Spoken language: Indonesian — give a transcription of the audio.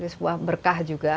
sebuah berkah juga